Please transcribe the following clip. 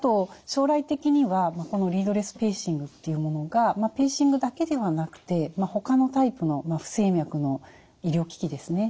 将来的にはこのリードレスペーシングっていうものがペーシングだけではなくてほかのタイプの不整脈の医療機器ですね